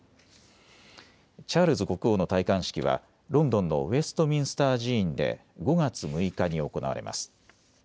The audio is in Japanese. チャールズ国王の戴冠式はロンドンのウェストミンスター寺院で５月６日に行われます。